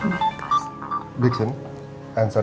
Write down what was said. mbak aku mau jalanin